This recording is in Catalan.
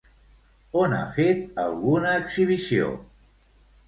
On ha fet alguna exhibició?